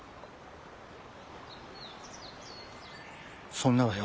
そんならよ